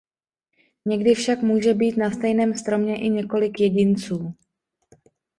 Někdy však může být na stejném stromě i několik jedinců.